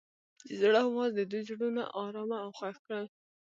د زړه اواز د دوی زړونه ارامه او خوښ کړل.